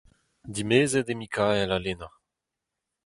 Dimezet eo Mikael ha Lena.